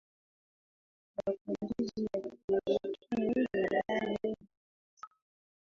Mapinduzi ya Kiuchumi ni yale yenye tija